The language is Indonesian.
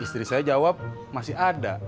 istri saya jawab masih ada